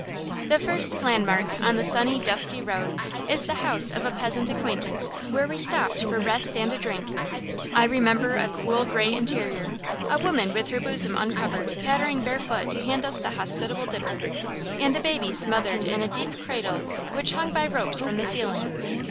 The first landmark on the sunny, dusty road is the house of a peasant acquaintance where we stopped for rest and a drink. I remember a cool gray interior, a woman with her bosom uncovered pattering barefoot to hand us the hospitable dipper, and a baby smothered in a deep cradle which hung by ropes from the ceiling.